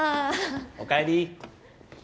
おかえり！